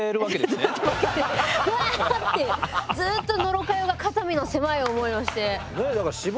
うわってずっと野呂佳代が肩身の狭い思いをして。